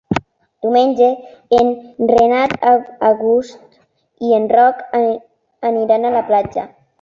Diumenge en Renat August i en Roc aniran a la platja.